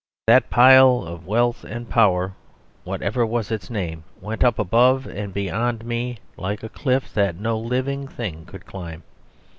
That pile of wealth and power, whatever was its name, went up above and beyond me like a cliff that no living thing could climb.